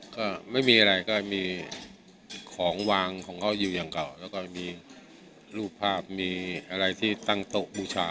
ก็ไม่มีอะไรก็มีของวางของเขาอยู่อย่างเก่าแล้วก็มีรูปภาพมีอะไรที่ตั้งโต๊ะบูชา